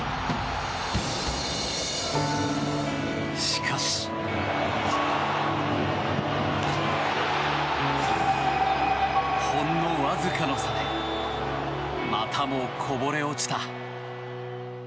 しかし、ほんのわずかの差でまたもこぼれ落ちた。